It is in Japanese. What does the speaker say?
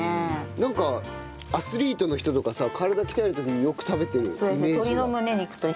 なんかアスリートの人とかさ体鍛える時によく食べてるイメージが。